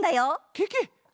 ケケ！